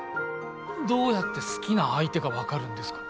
どうやって好きな相手が分かるんですか？